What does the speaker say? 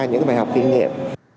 những cái bài học kinh nghiệm